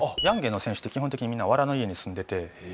ヤンゲンの選手って基本的にみんなわらの家に住んでて。